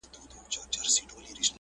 چي مي ستونی په دعا وو ستړی کړی!!